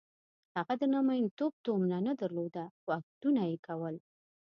هغه د نامیتوب تومنه نه درلوده خو اکټونه یې کول.